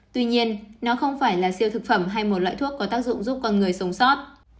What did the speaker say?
tuy nhiên nó không phải là siêu thực phẩm hay một loại thuốc có tác dụng giúp con người sống sót